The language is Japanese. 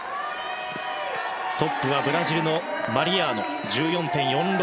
トップはブラジルのマリアーノ１４．４６６。